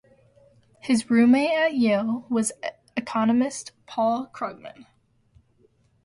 His roommate at Yale was economist Paul Krugman.